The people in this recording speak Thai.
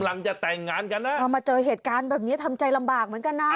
รับกระเทียบมาเจอเหตุการณ์แบบนี้ทำใจลำบากเหมือนกันนะ